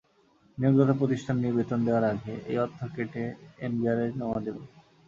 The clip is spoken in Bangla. নিয়োগদাতা প্রতিষ্ঠানই বেতন দেওয়ার আগে এই অর্থ কেটে এনবিআরে জমা দেবে।